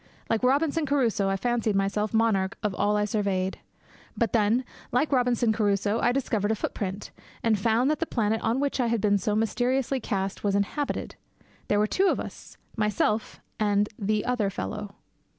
Like Robinson Crusoe, I fancied myself monarch of all I surveyed. But then, like Robinson Crusoe, I discovered a footprint, and found that the planet on which I had been so mysteriously cast was inhabited.. There were two of us myself and The Other Fellow.